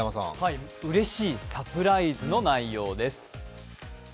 うれしいサプライズの内容です。